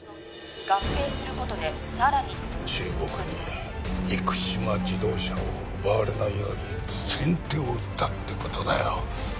合併することで更に中国に生島自動車を奪われないように先手を打ったってことだよ